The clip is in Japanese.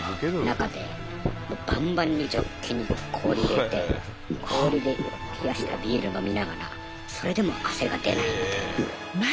中でバンバンにジョッキに氷入れて氷で冷やしたビール飲みながらそれでも汗が出ないみたいな。